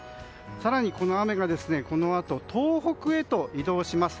更にこの雨がこのあと東北へと移動します。